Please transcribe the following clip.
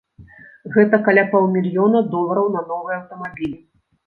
Гэта каля паўмільёна долараў на новыя аўтамабілі.